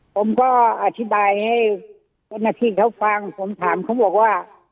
ผมก็อธิบายให้เจ้าหน้าที่เขาฟังผมถามเขาบอกว่า